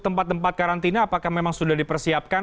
terima kasih pak